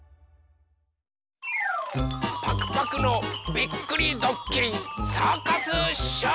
パクパクのびっくりどっきりサーカスショー！